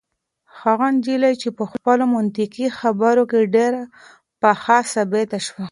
هغه نجلۍ په خپلو منطقي خبرو کې ډېره پخه ثابته شوه.